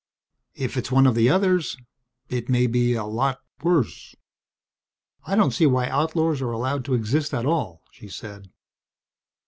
If it's one of the others it may be a lot worse." "I don't see why outlaws are allowed to exist at all," she said.